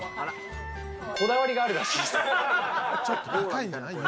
こだわりがあるらしいです。